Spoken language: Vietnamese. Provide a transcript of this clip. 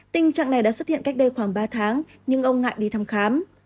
tình trạng này đã xuất hiện cách đây khoảng ba tháng nhưng ông ngại đi thăm khám